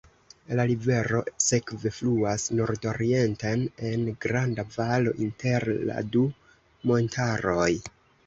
La rivero sekve fluas nordorienten, en granda valo inter la du montaroj.